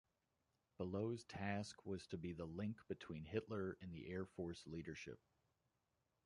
Below's task was to be the link between Hitler and the air force leadership.